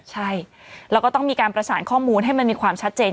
ใช่แล้วก็ต้องมีการประสานข้อมูลให้มันมีความชัดเจน